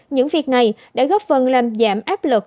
những việc này đã góp phần làm giảm áp lực